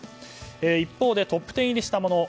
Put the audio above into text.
一方で、トップ１０入りしたもの。